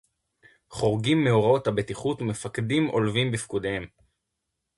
חורגים מהוראות הבטיחות ומפקדים עולבים בפקודיהם